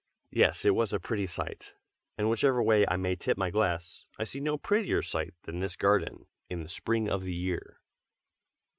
Yes, it was a pretty sight, and whichever way I may tip my glass, I see no prettier sight than this garden, in the spring of the year.